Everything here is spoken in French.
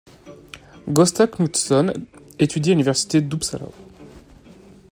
Gösta Knutsson étudie à l'université d'Uppsala.